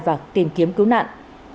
và tìm kiếm cứu nạn